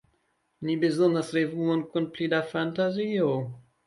Ni bezonas revuon kun pli da fantazio.